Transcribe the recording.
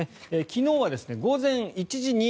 昨日は午前１時に